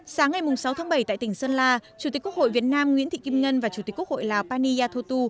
sáng ngày sáu tháng bảy tại tỉnh sơn la chủ tịch quốc hội việt nam nguyễn thị kim ngân và chủ tịch quốc hội lào pani yathutu